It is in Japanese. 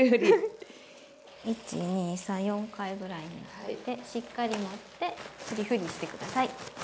１２３４回ぐらいしっかり持ってふりふりして下さい。